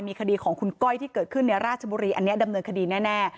มีคดีของคุณก้อยที่เกิดขึ้นในราชบุรีอันนี้ดำเนินคดีแน่